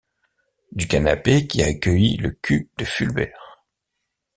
Du canapé qui a accueilli le cul de Fulbert.